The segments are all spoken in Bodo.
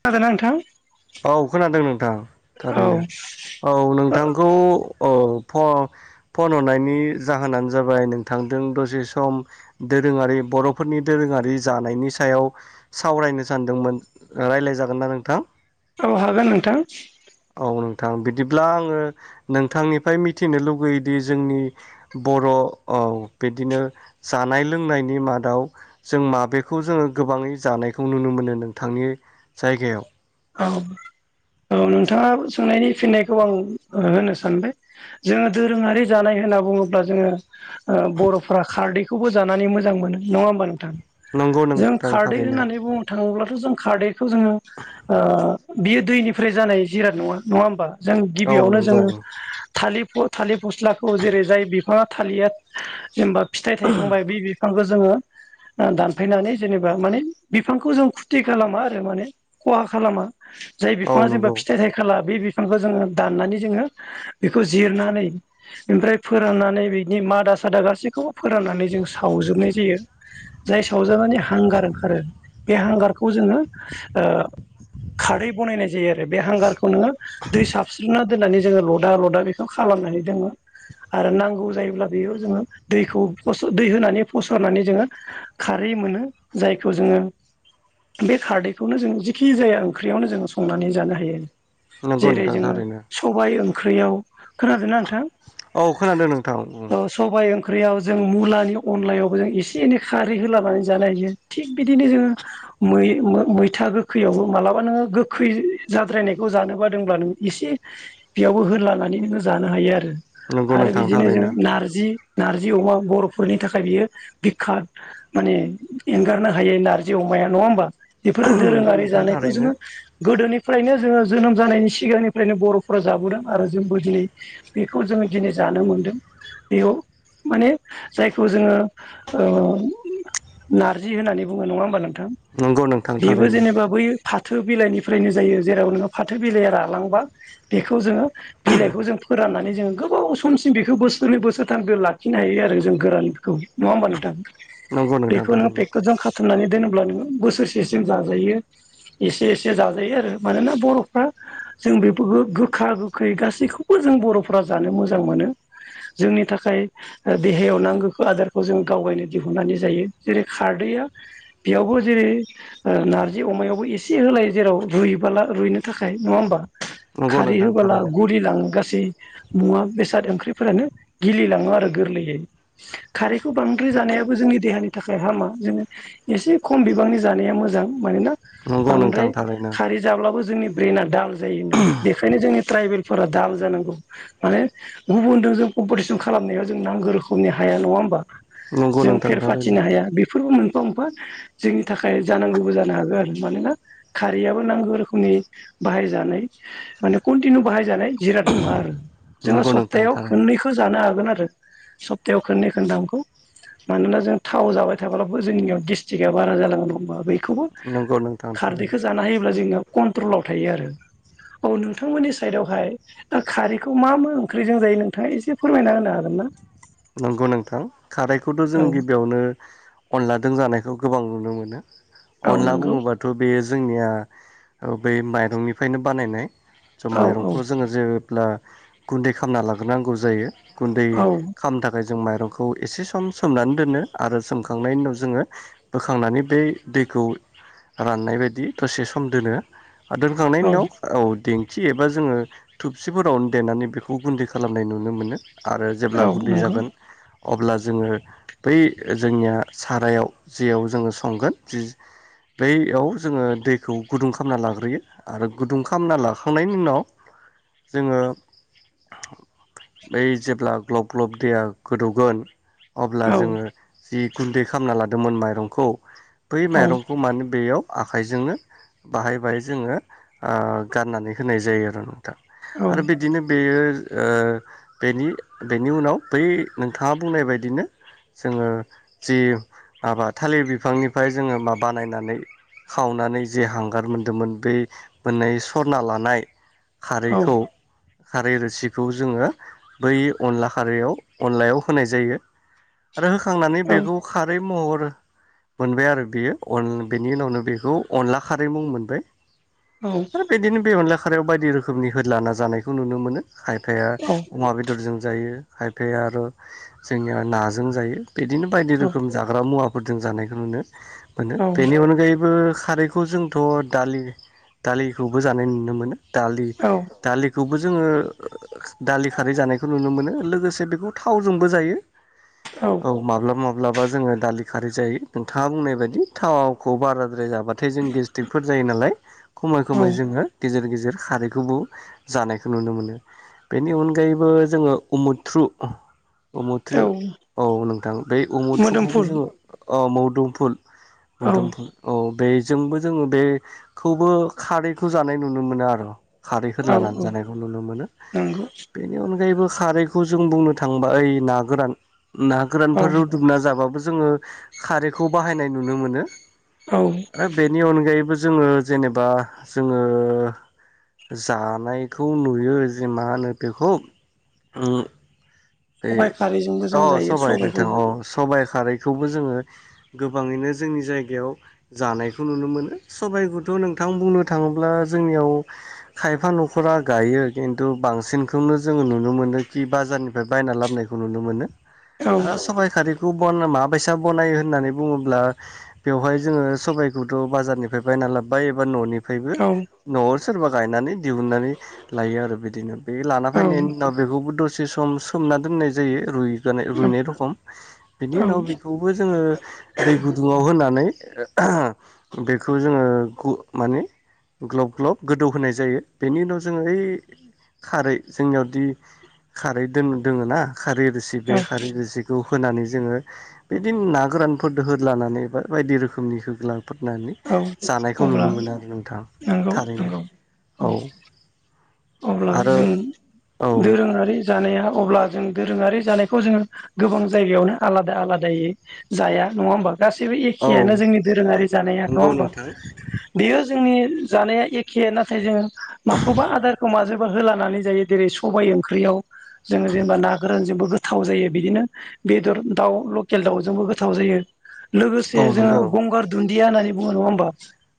खोनादोना नोंथां? औ खोनादों नोंथां औ थारैनो। औ नोंथांखौ औ फ फन हरनायनि जाहोनानो जाबाय नोंथांदों दसे सम दोरोङारि बर'फोरनि दोरोङारि जानायनि सायाव सावरायनो सानदोंमोन रायलाय जागोन ना नोंथां? औ हागोन नोंथां। औ नोंथां बिदिब्ला आङो नोंथांनिफ्राय मिथिनो लुगैयोदि जोंनि बर' औ बिदिनो जानाय लोंनायनि मादाव जों माबेखौ जोङो गोबाङै जा नायखौ नुनो मोनो नोंथांनि जायगायाव। औ। औ नोंथाङा सोंनायनि फिननायखौ आं होनो सानबाय जोङो दोरोङारि जानाय होनना बुङोब्ला जोङो ओ बर'फोरा खारदैखौबो जानानै मोजां मोनो नङा होमबा नो थां नंगौ जों नोंथां खारदै थारैनो होननानै बुंनो थाङोब्लाथ' जों खारदैखौ जोङो। ओ बियो दैनिफ्राय जानाय जिराद नङा नङा होमबा? जों औ गिबियावनो जोङो नंगौ थालिब फ थालिब फस्लाखौ जेरै जाय बिफा थालिया जेनबा फिथाइ थायखांबाय बि बि खौ जोङो ओ दानफायनानै जेनेबा माने बिफांखौ जों खुरथि खालामा आरो माने खहा खालामा जाय औ बिफाङा जेबा नंगौ फिथाइ थाइखाला बे बि खौ जोङो दन्नानै जोङो बेखौ जिरनानै ओमफ्राय फोराननानै बिनि मादा सादा गासैखौबो फोराननानै जों सावजोबनाय जायो। जाय साव जानानै हांगार ओंखारो बे हांगारखौ जोङो ओ [inaudible] खारै बनायनाय जायो आरो बे हांगारखौनो दै साबस्रिना दोन्नानै जोङो लदा लदा बेखौ खालामनो बि दङो। आरो नांगौ जायोब्ला बेयाव जोङो दैखौ फस दै होनानै फसरनानै जोङो खारै मोनो जायखौ जोङो बे खारदैखौनो जों खि जाया ओंख्रियावनो जों संनानै जानो हायो। नंगौ जेरै नोंथां जोङो थारैनो सबाइ ओंख्रियाव खोनादोंना नोंथां? नोंथाव उम। औ सबाय ओंख्रियाव जों मुलानि अनलायावबो जों एसे एनै खारै होलाबानै जानो हायो थिग बिदिनो जोङो मै मो मैथा गो खैयावबो मालाबा नोङो गोखै जाद्रायनायखौ जानोबादोंब्ला नों इसे बेयावबो होदलाना नानै नों जानो हायो आरो नंगौ आरो नोंथां बिदिनो जोङो थारैनो नार्जि नार्ज जि अमा बर'फोरनि थाखाय बियो बिखा माने एंगारनो हायै नार्जि अमाया नङा होमबा? बेफोरो नंगौ दोरोङारि नोंथां जानायखौ थारैनो जोङो गोदोनिफ्रायनो जोङो जोनोम जानायनि सिगांनिफ्रायनो बर'फोरा जाबोदों आरो जोंबो दिनै बेखौ जोङो बिदिनो जानो मोनदों। बेयाव माने जायखौ जोङो ओम नार्जि होननानै बुङो नङा होमबा नोंथां नंगौ नोंथां बेबो थारैनो जेनेबा बै फाथो बिलाइनिफ्रायनो जायो जेराव नोङो फाथो बिलाइया रालांबा बेखौ जोङो बिलाइखौ जों फोराननानै जों गोबाव समसिम बेखौ बोसोरनै बोसोरथामबो लाखिनो हायो आरो जों गोरानखौ नङा होमबा नोंथां? नंगौ नोंथां बेखौ नोङो थारैनो पेकेटजों खाथुमनानै दोनोब्ला नोङो बोसोरसेसिम जाजायो। एसे एसे जाजायो आरो मानोना बर'फ्रा जों बेबो गोखा गोखै गासैब खौबो जों बर'फोरा जानो मोजां मोनो। जोंनि थाखाय ओ देहायाव नांगोखो आदारखौ जों गावगायनो दिहुननानै जायो जेरै खारदै [unintelligible] बेयावबो जेरै ओ नार्ज जि अमायावबो एसे होलायो जेराव रुइबोला रुइनो थाखाय नङा होमबा? नंगौ खारै नोंथां होबोला थारैनो गुलिलाङो गास सै मुवा बेसाद ओंख्रिफोरानो गिलिलाङो आरो गोरलैैयै खारैखौ बांद्राय जानायाबो जोंनि देहानि थाखाय हामा जों एसे खम बिबांनि जानाया मोजां। मानोना नंगौ नोंथां बांद्राय थारैनो खारै जाब्लाबो जोंनि ब्रेना दाल जायोनो बेखायनो जोंनि ट्राइबेल फोरा दाल जानांगौ माने गुबुनदों जों कम्पटिसन खालामनाया जों नांगो रोखोमनि हाया नङा होमबा नंगौ जों फेर नोंथां थारैनो फाथिनो हाया बेफोरबो मोनफा मोनफा जोंनि थाखाय जानांगौबो जा जानो हागो आरो मानोना खारैयाबो नांगो रोखोमनि बाहायजानाय माने कन्टिनिउ बाहायजानाय जिराद नङा आरो जोङो नंगौ नोंथां सप्तायाव थारैनो खननैखो जानो हाग गोन आरो स्पतायाव खोननै खोनथामखौ मानोना जों थाव जाबाय थाब्लाबो जोंनियाव गेस्टीकआ बारा जलांगोन नङा होमबा बैखौ नंगौ नोंथां थारैनो खारदैखो जाना होयोब्ला जोंनिया कन्ट्रलाव थायो आरो औ नोंथांमोननि साइदावहाय खारैखौ मा मा ओंख्रिजों जायो नोंथाङा एसे फोरमायना होनो हागोन ना नंगौ नोंथां खारैखौथ' जों गिबियावनो अनलादों जानायखौ गोबां नुनो मोनो औ औ अनला नंगौ बुङोबाथ' बे जोंनिया ओ बे माइरंनिफायनो बानायनाय स' औ औ माइरंखौ जोङो जे ब्ला गुन्दै खामना लाग्रोनांगौ जायो गुन्दै औ खालामनो थाखाय जों माइरंखौ एसे सम सोमनानै दोन आरो सोमखांनायनि उनाव जोङो बोखांनानै बै दैखौ राननाय बायदि दसे सम दोनो आरो दोनखांनायनि औ उनाव औे दिं खि एबा जोङो थुबसिफोरावनो देनानै बेखौ गुन्दै खालामनाय नुनो मोनो आरो औ जेब्ला दै नंगौ जागोन अब्ला जोङो बै जोंनिया सारायाव जेयाव जोङो संगोन जि बैयाव जोङो दैखौ गुदुं खामना लाग्रोयो आरो गुदुं खामना लाखांनायनि उनाव जोङो बै जेब्ला ग्लब ग्लब दैया गोदौगोन अब्ला औ जोङो जि गुन्दै खामना लादोंमोन माइरंखौ बै औ माइरंखौ माने बेयाव आखाइजोंनो बाहाय बाहाय जोङो आ गाननानै होनाय जायो आरो नों थां औ आरो बिदिनो बेयो ओ बेनि बेनि उनाव बै नोंथाङा बुंनाय बायदिनो जोङो जि माबा थालिर बिफांनिफाय जोङो मा बानायनानै खावनानै जे हांगार मोन्दोमोन बे मोन्नै सरना लानाय खारैखौ खारै रोसिखौ जोङो बै अनला खारैयाव अनलायाव होनाय जायो आरो होखांनानै औ बेखौ खारै महर मोनबाय आरो बियो बेनि उनावनो बेखौ अनला खारै मुं मोनबाय औ आरो बिदिनो बे अनला खारैयाव बायदि रोखोमनि होदलाना जानायखौ नुनो मोनो खायफाया अमा बेदरजों जायो खायफाया आरो जोंनिया नाजों जायो बिदिनो बायदि औ रोखोम जाग्रा मुवाफोरजों जानायखौ नुनो मोनो बेनि अनगायैबो खारैखौ जोंथ' दालि दालिखौबो जानाय नुनो मोनो दालि दालि बेखौबो जोङो दालि खारै जानायखौ नुनो मोनो लोगोसे बेखौ थावजोंबो जायो औ माब्लाबा माब्लाबा जोङो दालि खारै जायो नोंथाङा बुंनाय बायदि थावखौ बाराद्राय जा थाय जों गेस्टि्रिकफोर जायो नालाय खमाय खमाय जोङो गेजेर गेजेर जों खारैखौबो जानायखौ नुनो मोनो बेनि अनगायैबो जोङो उमुथ्रु औ उमुथ्रु औ नोंथां बे उमुथ्रुखौबो मोदोमफुल जोङो औ मदुमफुल औ मदुमफुल औ बे जोंबो जोङो बेखौबो खारैखौ जानाय नुनो मोनो आरो खारैफोर औ लानानै औ जानायखौ नुनो मोनो नंगौ बेनि अनगायैबो खारैखौ जों बुंनो थांबा ओइ ना गोरान ना औ गोरानफोर रुदुबना जाबाबो जोंङो खारैखौ बाहायनाय नुनो मोनो औ ओमफाय बेनि अनगायैबो जोङो जेनेबा जोङो जानायखौ नुयो जे मा होनो बेखौ बे सबाइ खारैजोंबो औ जों जायो सबाय सबाइखौ नोंथां औ सबाय खारैखौबो जोङो गोबाङैनो जोंनि जायगायाव जानायखौ नुनो मोनो सबाइ खौथ' नोंथां बुंनो थाङोब्ला जोंनियाव खायफा न'खरा गायो खिन्थु बांसिनखौनो जोंङो नुनो मोनो खि बाजारनिफ्राइ बायना लाबोनायखौ नुनो मोनो औ आरो सबाय खारैखौ माबायसा बनायो होननानै बुङोब्ला बेयावहाय जोङो सबायखौथ' बाजारनिफ्राय बायना लाबोबाय एबा न'निफ्रायबो औ न'आव सोरबा गायनानै दिहुननानै लायो आरो बिदिनो बे लाना औ फैनायनि उनाव बेखौबो दसे सम सोमना दोननाय जायो रुइनाय रुइनाय रखम बिनि औ उनाव बेखौबो जोङो दै गुदुङाव होनानै बेखौ जोङो माने ग्लब ग्लब गोदौ होनाय जायो बेनि उनाव जोङो ओइ खारै जोंनियावदि खारै दोङो ना खारै रोसि बे औ खारै रोसिखौ होनानै जोङो बिदिनो ना गोरानफोर होदलानानै बा बायदि रोखोमनि होद फबनानै औ जानायखौ नुनो अब्ला मोनो आरो नोंथां नंगौ थारैनो नंगौ औ अब्ला आरो जों औ दोरोङारि जानाया अब्ला जों दोरोङारि जानायखौ जोङो गोबां जायगायावनो आलादा आलादायै जाया नङा होमबा गासैबो औ एखेआनो जोंनि दोरोङारि जानाया नङा नंगौ होमबा नोंथां बेयो जोंनि जानाया एखे नाथाय जोङो माखौबा आदारखौ माजों होलानानै जायो जेरै सबाइ ओंख्रियाव जों जेनेबा ना गोरान बेजोंबो गोथाव जायो बिदिनो बेदर दाउ लकेल दाउजोंबो गोथाव जायो लोगोसे औ नंगौ जोङो गंगार दुन्दिया होननानै बुङो नङा होमबा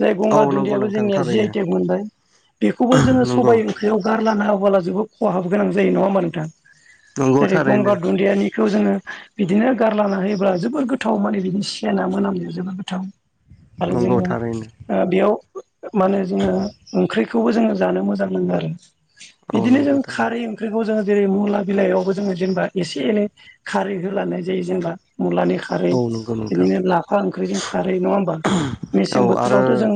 जाय औ गंगार नंगौ दुन्दियाबो नोंथां जोंनिया थारैनो जिआइटेक मोनबाय बेखौबो जोङो नंगौ सबाइ ओंख्रियाव गारलाना होबोला जोबोद खहाब गोनां जायो नङा होनबा नोंथां नंगौ जेरै थारैनो गंगार दुन्दियानि बेखौ जोङो बिदिनो गारलाना होयोब्ला जोबोर गोथाव माने बिदिनो सेना मोनामो जोबोर गोथाव आरो नंगौ जोङो थारैनो बेयाव मा होनो जोङो ओंख्रि खौबो जोङो जानो मोजां मोनो आरो औ बिदिनो नंगौ जों थारैनो खारै ओंख्रिखौ जोंङो जेरै मुला बिलाइयावबो जोङो जेनेबा एसे एनै खारै होलानाय जायो जेनेबा मुलानि खारै औ नंगौ नोंथां बिदिनो लाफा ओंख्रिजों खारै नङा होमबा औ मेसें आरो बोथोरावथ' जों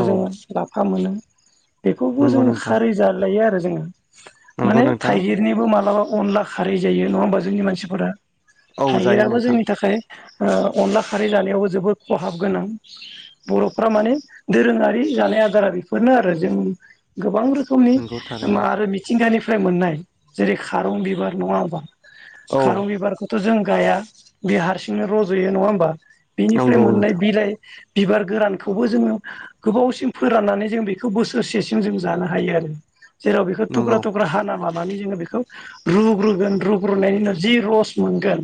औ जोङो ला फा मोनो बेखौबो नंगौ जों नोंथां खारै जालायो आरो जोङो नंगौ माने नोंथां थाइगिरनिबो मालाबा अनला खारै जायो नङा होमबा जोंनि मानसिफोरा औ जायो थाइगिराबो नोंथां जोंनि थाखाय अनला खारै जानायावबो जोबोद खहाब गोनां बर'फ्रा माने दोरोङारि जानाय आदारा बेफोरनो आरो जों गोबां रोखोम नंगौ थारैनो आरो मिथिंगानिफ्राय मोननाय जेरै खारं बिबार नङा होमबा औ खारं बिबारखौथ' जों गाया बे हारसिंनो रज'यो नङा होमबा बेनिफ्राय नंगौ मोननाय नोंथां बिलाइ बिबार गोरानखौबो जोङो गोबावसिम फोराननानै जों बेखौ बोसोरसेसिम जों जानो हायो आरो जेराव बेखौ नंगौ थुख्रा थुख्रा हाना मा- ने जोङो बेखौ रुग्रोगोन रुग्रोनायनि उनाव जि रस मोनगोन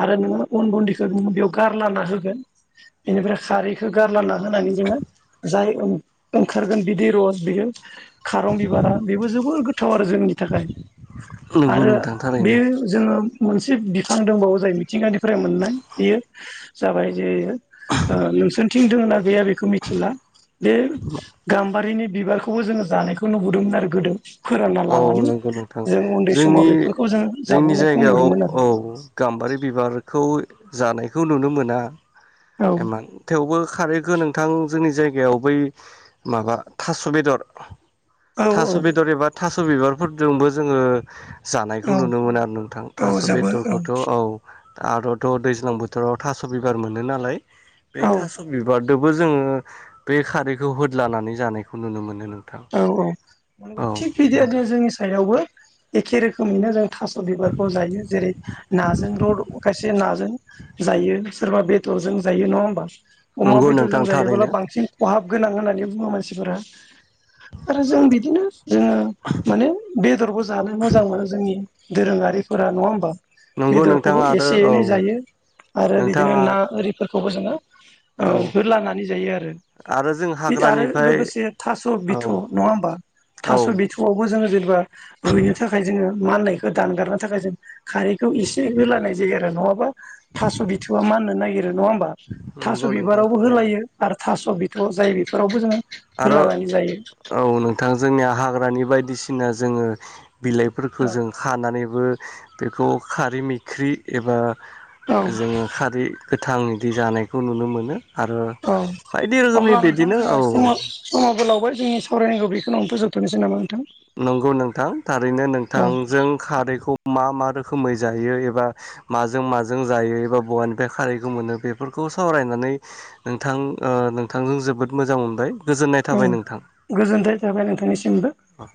आरो नोङो अन गन्दैखौ नोङो बेयाव गारलाना होगोन बेनिफ्राय खारैखौ गारलाना होनानै जोङो जाय ओंखारगोन बिदै रस बियो खारं बिबारा बेबो जोबोर गोथाव आरो जोंनि थाखाय नंगौ आरो नोंथां बे थारैनो जोङो मोनसे बिफां दंबावो जाय मिथिंगानिफ्राय मोननाय बेयो जाबाय जे नोंसोरनिथिं दोंना गैया बेखौ मिथिला बे गाम्बारिनि बिबारखौबो जोङो जानायखौ नुबोदोंमोन आरो गोदो फोरानना औ लानानै नंगौ नोंथां जों उन्दै जोंनि समाव बेफोरखौ जों जोंनि जाबोनायखौ जायगायाव नुदोंमोन औ गा- म्बारि बिबारखौ जानायखौ नुनो मोना आरो एमान थेवबो खारै गोनां नोंथां जोंनि जायगायाव बै माबा थास' बेदर औ थास' बेदर एबा थास' बिबारफोरजोंबो जोङो जानायखौ औ नुनो मोनो आरो नोंथां औ थास' जोबोर बेदरखौथ' औ आरोथ' दैज्लां बोथोराव थास' बिबार मोनो नालाय बे औ थास' बिबार दोबो जोङो बे खारैखौ होदलानानै जानायखौ नुनो मोनो नों औ औ नंगौ थिग बिदि बायदि जोंनि साइदावबो एखे रोखोमैनो जों थास' बिबारखौ जायो जेरै नाजों खायसे नाजों जायो सोरबा बेदरजों जायो नङा होमबा। अमा नंगौ नोंथां बेदरजों थारैनो जायोबोला बांसिन खहाब गोनां होननानै बुङो मानसिफोरा। आरो जों बिदिनो जोङो माने बेदरबो जानो मोजां मोनो जोंनि दोरोङारिफोरा नङा होमबा। नंगौ बेदरखौबो नोंथाङा आरो एसे औ एनै जायो आरो बिदिनो नोंथाङा ना आरिफोरखौबो जोङो ओ औ होदलानानै जायो आरो आरो जों आरो हाग्रानिफ्राय लोगोसे था औ बिथ' नङा होमबा औ थास' बिथ'आवबो जोङो जेनेबा रुइनो थाखाय जों माननायखौ दानगारनो थाखाय जों खारैखौ एसे होलानाय जायो आरो नङाबा थास' बिथ'वा माननो नागिरो नङा होमबा नंगौ थास' नोंथां बिबारावबो थारैनो होलायो आरो थास' बिथ' जाय बेफोरावबो जोङो आरो होलानानै जायो औ नोंथां जोंनिया हाग्रानि बायदिसिना जोङो बिलाइफोरखौ जों खानानैबो बेखौ खारै मैख्रि एबा औ जोङो खारै गोथां बिदि जानायखौ नुनो मोनो। आरो औ बायदि रोखोमनि अब्ला नोंथां बिदिनो जोंहा औ। समा समाबो लावबाय जोंनि सावरायनायखौ बेखिनियावनो फोजोबथ'नोसै नामा नोंथां। नंगौ नोंथां थारैनो औ नोंथांजों खारैखौ मा मा रोखोमै जायो एबा माजों माजों जायो एबा बहानिफ्राय खारैखौ मोनो बेफोरखौ सावरायनानै नोंथां ओ नोंथांजों जोबोद मोजां मोनबाय। गोजोननाय उम थाबाय गोजोननाय थाबाय नोंथांनिसिमबो। अ।